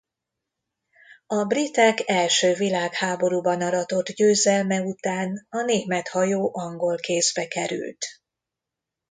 A britek első világháborúban aratott győzelme után a német hajó angol kézbe került.